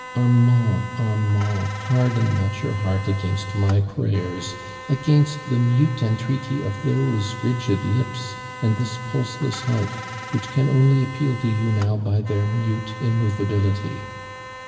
Armand, Armand, hanlen not your heart against my prayers, against the muto entreaty of those rigid lips and this jiulae less heart which can only appeal to you now by their mute immovability.